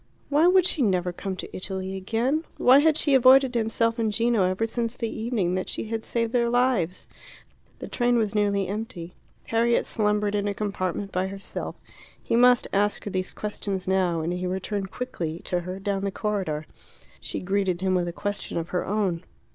Why would she never come to Italy again? Why had she avoided himself and Gino ever since the evening that she had saved their lives? The train was nearly empty. Harriet slumbered in a compartment by herself. He must ask her these questions now, and he returned quickly to her down the corridor. She greeted him with a question of her own.